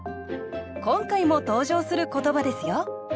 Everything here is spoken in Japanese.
今回も登場する言葉ですよ